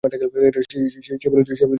সে বলেছিল, হে আমার সম্প্রদায়!